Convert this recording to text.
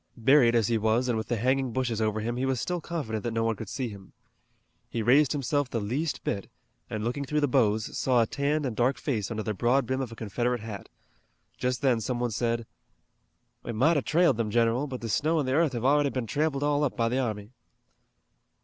Buried as he was and with the hanging bushes over him he was still confident that no one could see him. He raised himself the least bit, and looking through the boughs, saw a tanned and dark face under the broad brim of a Confederate hat. Just then some one said: "We might have trailed 'em, general, but the snow an' the earth have already been tramped all up by the army."